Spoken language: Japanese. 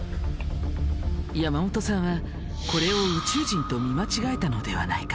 山本さんはこれを宇宙人と見間違えたのではないか。